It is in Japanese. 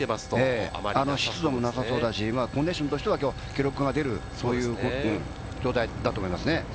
湿度もなさそうだし、コンディションとしては記録が出る状態だと思いますね。